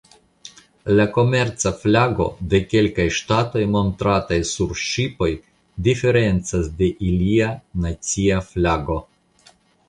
La komerca flago de kelkaj ŝtatoj montrataj sur ŝipoj diferencas de ilia nacia flago.